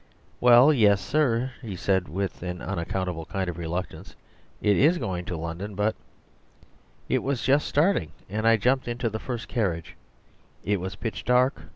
"Well yes, sir," he said, with an unaccountable kind of reluctance. "It is going to London; but " It was just starting, and I jumped into the first carriage; it was pitch dark.